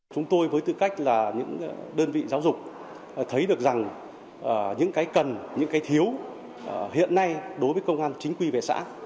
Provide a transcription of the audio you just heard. chúng tôi với tư cách là những đơn vị giáo dục thấy được rằng những cái cần những cái thiếu hiện nay đối với công an chính quy về xã